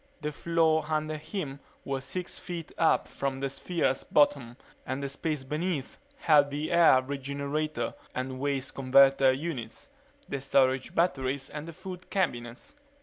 The floor under him was six feet up from the sphere's bottom and the space beneath held the air regenerator and waste converter units, the storage batteries and the food cabinets.